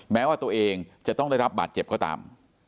แม้ว่าตัวเองจะต้องได้รับบาดเจ็บก็ตาม